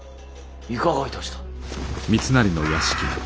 いかがいたした。